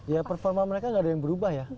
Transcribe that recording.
ya performance mereka gak ada yang berubah ya